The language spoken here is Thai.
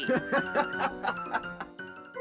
ฮ่า